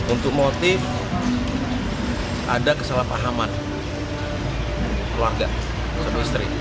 untuk motif ada kesalahpahaman keluarga satu istri